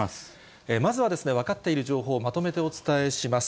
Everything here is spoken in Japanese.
まずは分かっている情報をまとめてお伝えします。